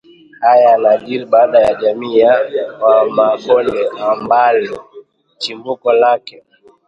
Haya yanajiri baada ya jamii ya Wamakonde ambalo chimbuko lake